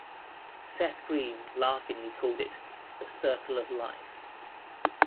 Seth Green laughingly called it "the circle of life".